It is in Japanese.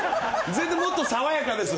全然もっと爽やかです！